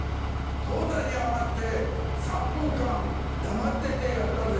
高座に上がって３分間黙っててやったぜ。